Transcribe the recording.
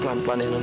pelan pelan ya non